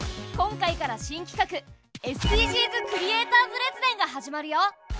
今回から新きかく「ＳＤＧｓクリエイターズ列伝」が始まるよ。